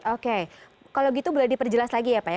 oke kalau gitu boleh diperjelas lagi ya pak ya